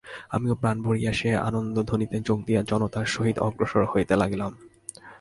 আমিও প্রাণ ভরিয়া সেই আনন্দধ্বনিতে যোগ দিয়া জনতার সহিত অগ্রসর হইতে লাগিলাম।